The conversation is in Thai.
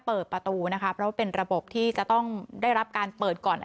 เปิดประตูนะคะเพราะว่าเป็นระบบที่จะต้องได้รับการเปิดก่อน